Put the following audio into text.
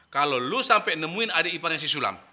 kalo lu sampe nemuin adik iparnya si sulam